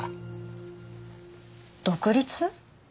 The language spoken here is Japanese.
独立？